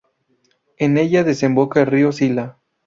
En ella desemboca el río Sila.